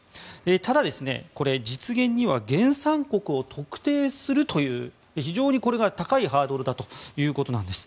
ただ、これ実現には原産国を特定するという非常に高いハードルがあるということです。